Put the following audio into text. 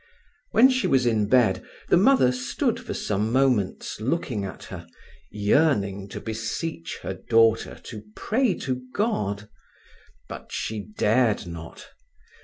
When she was in bed the mother stood for some moments looking at her, yearning to beseech her daughter to pray to God; but she dared not.